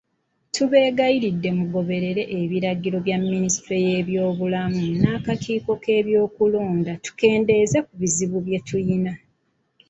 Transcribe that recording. Tubeegayiridde mugoberere ebiragiro bya minisitule y'ebyobulamu n'akakiiko k'ebyokulonda, tukendeeze ku bizibu bye tulina.